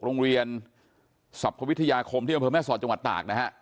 โรงเรียนสรรพวิทยาคมที่อำเภอแม่สอดจังหวัดตากนะฮะ